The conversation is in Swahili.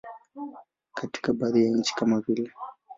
Katika baadhi ya nchi kama vile.